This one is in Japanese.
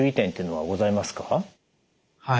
はい。